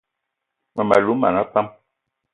Mmem- alou mona pam